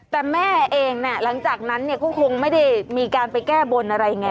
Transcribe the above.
แต่แม่เองหลังจากนั้นเนี่ยก็คงไม่ได้มีการไปแก้บนอะไรไง